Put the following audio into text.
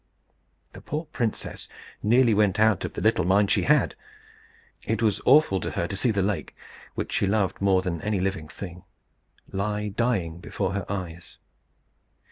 The poor princess nearly went out of the little mind she had. It was awful to her to see the lake, which she loved more than any living thing, lie dying before her eyes.